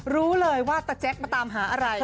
รู้เลยว่าตะแจ๊กมาตามหาอะไร